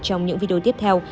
trong những video tiếp theo